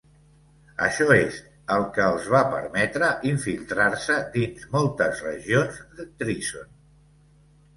Això és el que els va permetre infiltrar-se dins moltes regions de Treason.